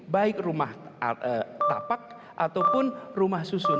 baik rumah tapak ataupun rumah susun